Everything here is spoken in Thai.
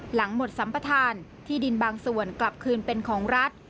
หลังหมดสัมประธานที่ดินบางส่วนกลับคืนเป็นของรัฐ